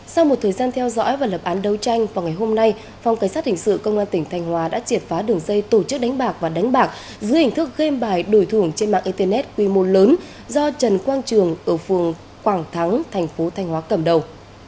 sau một thời gian theo dõi và lập án đấu tranh vào ngày hôm nay phòng cảnh sát hình sự công an tỉnh thanh hóa đã triệt phá đường dây tổ chức đánh bạc và đánh bạc dưới hình thức game bài đổi thưởng trên mạng internet quy mô lớn do trần quang trường ở phường quảng thắng thành phố thanh hóa cầm đầu